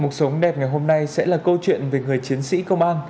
cuộc sống đẹp ngày hôm nay sẽ là câu chuyện về người chiến sĩ công an